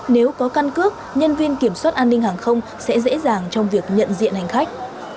nếu có căn cước nhân viên kiểm soát an ninh hàng không sẽ dễ dàng trong việc nhận diện hành khách